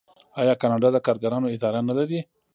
آیا کاناډا د کارګرانو اداره نلري؟